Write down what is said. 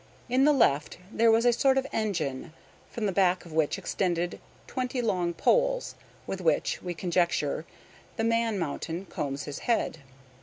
In the left there was a sort of engine, from the back of which extended twenty long poles, with which, we conjecture, the Man Mountain combs his head.